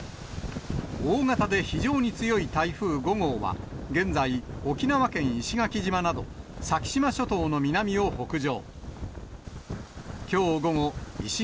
大型で非常に強い台風５号は、現在、沖縄県石垣島など、先島諸島の南を北上。